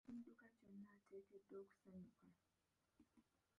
Omuntu bw’agula ekiddukya kyonna ateekeddwa okusanyuka.